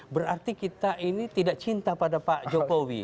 berarti kita ini tidak cinta pada pak jokowi